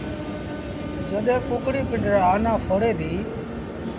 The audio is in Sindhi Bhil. جڏهيݩ ڪڪڙيٚ پنڊرآ آنآ ڦوڙي دي۔